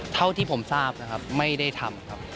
เท่าที่ผมทราบนะครับไม่ได้ทำครับ